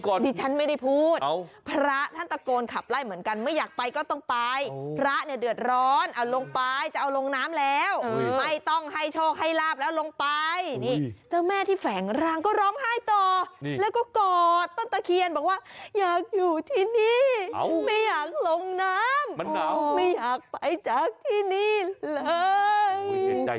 ใครลาบแล้วลงไปนี่จ้าแม่ที่แฝงรังก็ร้องไห้ต่อแล้วก็กอต้นตะเคียนบอกว่าอยากอยู่ที่นี่ไม่อยากลงน้ำไม่อยากไปจากที่นี่เลย